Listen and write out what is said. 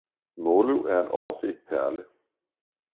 Måløv er en overset perle